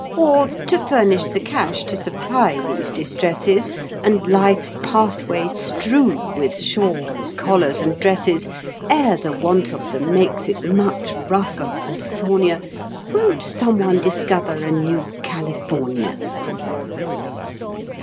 Or, to furnish the cash to supply these distresses, And life's pathway strew with shawls, collars and dresses, Ere the want of them makes it much rougher and thornier, Won't some one discover a new California?